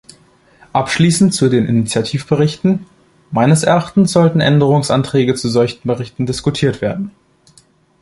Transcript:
Abschließend zu den Initiativberichten: Meines Erachtens sollten Änderungsanträge zu solchen Berichten diskutiert werden.